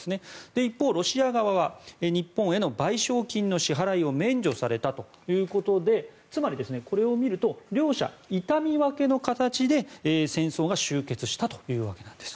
一方、ロシア側は日本への賠償金の支払いを免除されたということでつまり、これを見ると両者痛み分けの形で戦争が終結したというわけなんです。